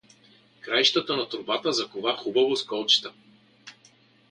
Краищата на торбата закова хубаво с колчета.